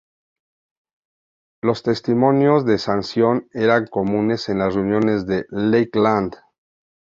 Los testimonios de sanación era comunes en las reuniones de Lakeland.